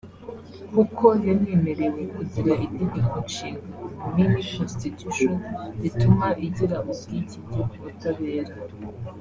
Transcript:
kuko yanemerewe kugira Itegeko Nshinga (mini-constitution) rituma igira ubwigenge ku butabera